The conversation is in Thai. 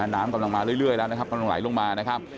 น้ำกำลังมาเรื่อยแล้วนะครับกำลังไหลลงมานะครับ